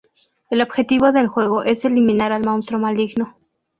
El objetivo del juego es eliminar al monstruo maligno.